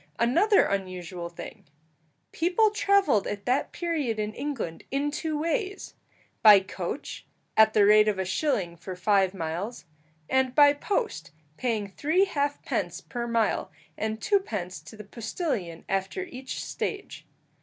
Another unusual thing. People travelled at that period in England in two ways by coach, at the rate of a shilling for five miles; and by post, paying three half pence per mile, and twopence to the postillion after each stage.